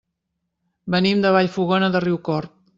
Venim de Vallfogona de Riucorb.